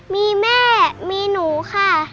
มีแม่มีหนูค่ะ